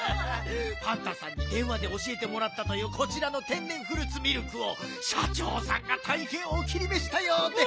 パンタさんにでんわでおしえてもらったというこちらの天然フルーツミルクを社長さんがたいへんお気にめしたようで。